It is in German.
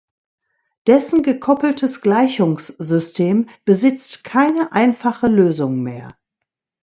Dessen gekoppeltes Gleichungssystem besitzt keine einfache Lösung mehr.